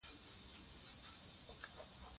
غازیان د الله اکبر په شعار سره جګړه کوي.